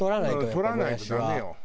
取らないとダメよ。